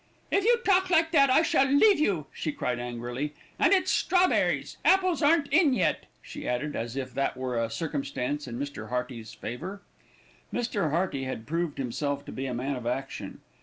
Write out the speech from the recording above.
"If you talk like that I shall leave you," she cried angrily; "and it's strawberries, apples aren't in yet," she added, as if that were a circumstance in Mr. Hearty's favour. Mr. Hearty had proved himself to be a man of action.